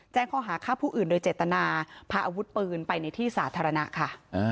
แจ้งข้อหาฆ่าผู้อื่นโดยเจตนาพาอาวุธปืนไปในที่สาธารณะค่ะ